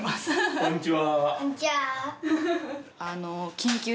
こんにちは。